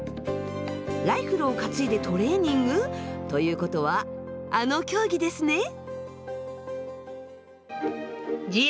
ライフルを担いでトレーニング？ということはあの競技ですね？